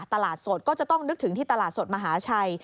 ตลาดสดก็จะต้องนึกถึงที่ตลาดสดมหาชัย